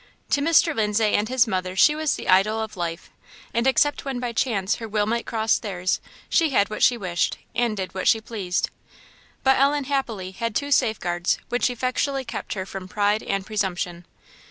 To Mr. Lindsay and his mother she was the idol of life; and except when by chance her will might cross theirs, she had what she wished, and did what she pleased. But Ellen happily had two safeguards which effectually kept her from pride and presumption.